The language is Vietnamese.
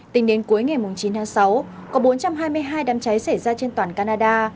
tính đến cuối ngày chín tháng sáu có bốn trăm hai mươi hai đám cháy xảy ra trên toàn canada